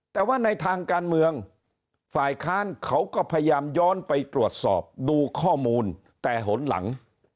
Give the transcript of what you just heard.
แต่ว่าในทางการเมืองฝ่ายค้านเขาก็พยายามย้อนไปตรวจสอบดูข้อมูลแต่หนหลัง